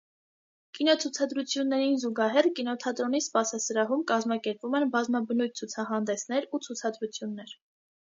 Կինոցուցադրություններին զուգահեռ կինոթատրոնի սպասասրահում կազմակերպվում են բազմաբնույթ ցուցահանդեսներ ու ցուցադրություններ։